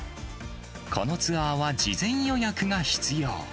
このツアーは事前予約が必要。